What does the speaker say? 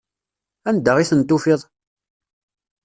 Anda i ten-tufiḍ?